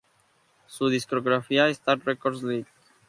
Su discográfica Star Records Ltd.